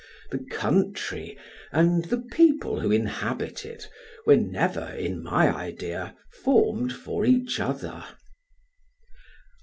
The country and people who inhabit it, were never, in my idea, formed for each other.